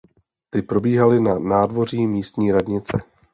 Ty probíhaly na nádvoří místní radnice.